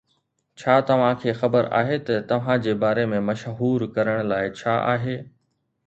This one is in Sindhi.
ڇا توهان کي خبر آهي ته توهان جي باري ۾ مشهور ڪرڻ لاء ڇا آهي؟